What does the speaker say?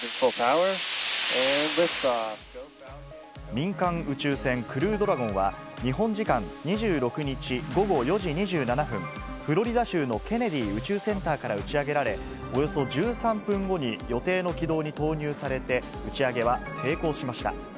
民間宇宙船、クルードラゴンは、日本時間２６日午後４時２７分、フロリダ州のケネディ宇宙センターから打ち上げられ、およそ１３分後に予定の軌道に投入されて、打ち上げは成功しました。